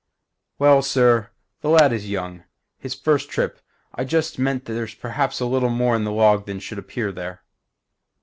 "Well sir, the lad is young. His first trip. I just meant there's perhaps a little more in the log than should appear there."